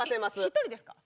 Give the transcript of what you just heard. １人ですか？